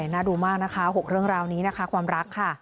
น่าดูมากนะคะ๖เรื่องราวนี้นะคะความรักค่ะ